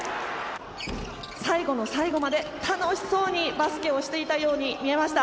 最後の最後まで楽しそうにバスケをしていたように見えました。